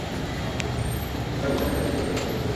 গাড়ি কিনতে মঞ্জু ভাইকে প্রায় দুই হাজার ডলার খরচ করতে হয়েছে।